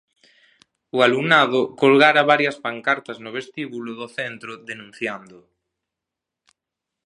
O alumnado colgara varias pancartas no vestíbulo do centro denunciando.